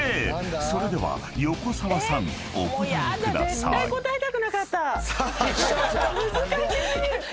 ［それでは横澤さんお答えください］さあなっちゃん。